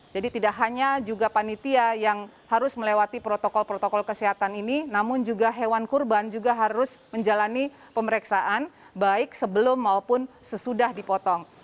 jadi tidak hanya juga panitia yang harus melewati protokol protokol kesehatan ini namun juga hewan kurban juga harus menjalani pemeriksaan baik sebelum maupun sesudah dipotong